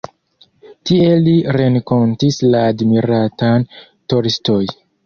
Tie li renkontis la admiratan Tolstoj.